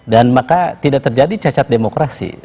dan maka tidak terjadi cacat demokrasi